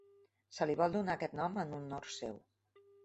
Se li va donar aquest nom en honor seu.